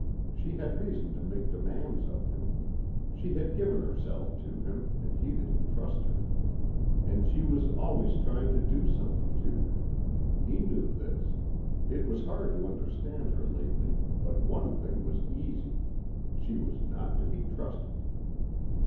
She had reason to make demands of him. She had given herself to him and he didn't trust her. And she was always trying to do something to him. He knew this. It was hard to understand her lately but one thing was easy she was not to be trusted.